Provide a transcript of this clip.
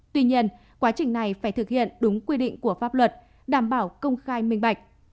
tuy nhiên quá trình này phải thực hiện đúng quy định của pháp luật đảm bảo công khai minh bạch